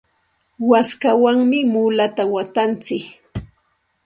waskawanmi mulata watantsik.